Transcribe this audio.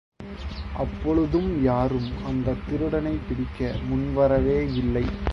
அப்பொழுதும் யாரும் அந்தத் திருடனைப் பிடிக்க முன்வரவே இல்லை.